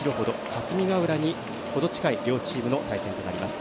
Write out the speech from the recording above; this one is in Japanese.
霞ヶ浦に程近い両チームの対戦となります。